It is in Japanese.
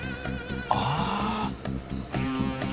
ああ。